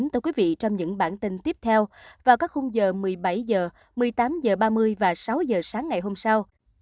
chào quý vị trong những bản tin tiếp theo vào các khung giờ một mươi bảy h một mươi tám h ba mươi và sáu h sáng ngày hôm sau